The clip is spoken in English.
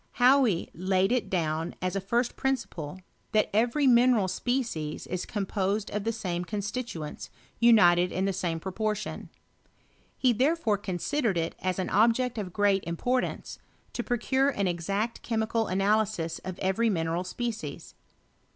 Hauy laid it down as a first principle, that every mineral species is composed of the same constituents onited in the same proportion. He therefore con sidered it as an object of great importance, to pro cure an exact chemical analysis of every mineral species.